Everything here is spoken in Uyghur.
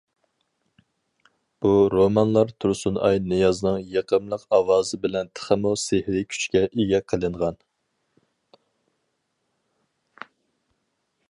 بۇ رومانلار تۇرسۇنئاي نىيازنىڭ يېقىملىق ئاۋازى بىلەن تېخىمۇ سېھرىي كۈچكە ئىگە قىلىنغان.